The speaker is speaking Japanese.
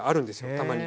たまに。